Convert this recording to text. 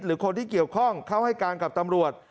หรือคนที่เกี่ยวข้องเข้าให้การกับตำรวจ